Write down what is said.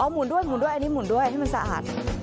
อ๋อหมุนด้วยอันนี้หมุนด้วยให้มันสะอาด